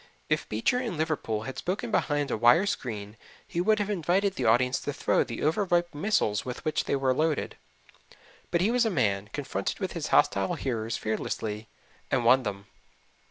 If Beecher in Liverpool had spoken behind a wire screen he would have invited the audience to throw the over ripe missiles with which they were loaded; but he was a man, confronted his hostile hearers fearlessly and won them.